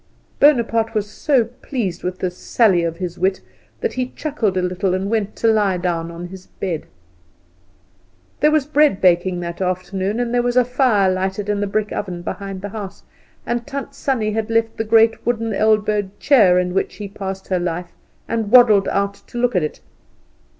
Bonaparte was so pleased with this sally of his wit that he chuckled a little and went to lie down on his bed. There was bread baking that afternoon, and there was a fire lighted in the brick oven behind the house, and Tant Sannie had left the great wooden elbowed chair in which she passed her life, and waddled out to look at it.